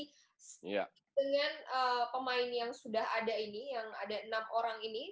dengan pemain yang sudah ada ini yang ada enam orang ini